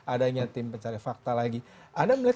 adanya tim pencari fakta lagi anda melihat